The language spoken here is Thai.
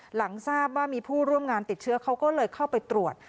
หลังทราบว่ามีผู้ร่วมงานติดเชื้อเขาก็เลยเข้าไปตรวจ